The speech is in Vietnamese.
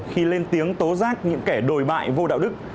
khi lên tiếng tố giác những kẻ đồi bại vô đạo đức